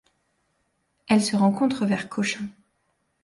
Elle se rencontre vers Cochin.